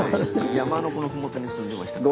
山のこのふもとに住んでましたから。